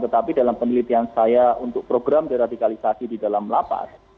tetapi dalam penelitian saya untuk program deradikalisasi di dalam lapas